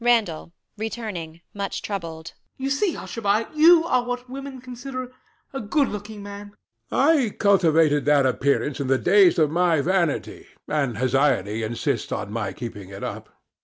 RANDALL [returning, much troubled]. You see, Hushabye, you are what women consider a good looking man. HECTOR. I cultivated that appearance in the days of my vanity; and Hesione insists on my keeping it up.